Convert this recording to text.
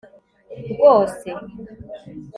rwose